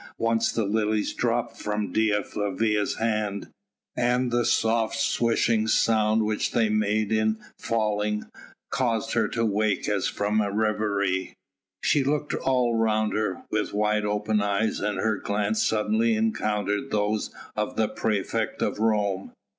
Once the lilies dropped from Dea Flavia's hand, and the soft swishing sound which they made in falling caused her to wake as from a reverie. She looked all round her with wide open eyes, and her glance suddenly encountered those of the praefect of Rome.